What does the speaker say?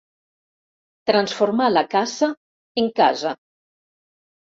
Transformà la caça en casa.